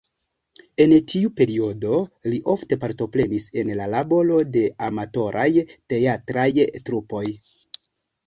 En tiu periodo li ofte partoprenis en laboro de amatoraj teatraj trupoj.